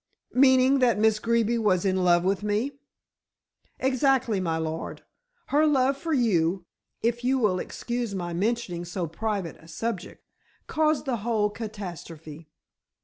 "Meaning that Miss Greeby was in love with me." "Exactly, my lord. Her love for you if you will excuse my mentioning so private a subject caused the whole catastrophe."